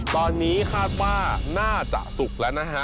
ตอนนี้คาดว่าน่าจะสุกแล้วนะฮะ